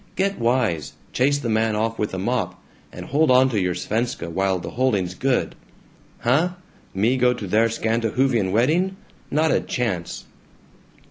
Get wise! Chase the man off with a mop, and hold onto your Svenska while the holding's good. Huh? Me go to their Scandahoofian wedding? Not a chance!"